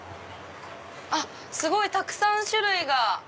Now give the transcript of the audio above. あっすごいたくさん種類が。